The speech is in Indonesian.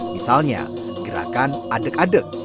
misalnya gerakan adek adek